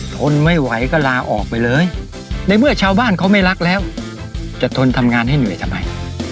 ทนไม่ไหวก็ลาออกไปเลยในเมื่อชาวบ้านเขาไม่รักแล้วจะทนทำงานให้เหนื่อยทำไม